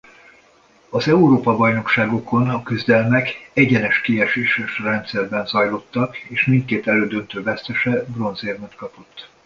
Az Európa-bajnokságokon a küzdelmek egyenes kieséses rendszerben zajlottak és mindkét elődöntő vesztese bronzérmet kapott.